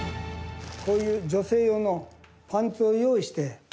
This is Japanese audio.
こういう女性用のパンツを用意して。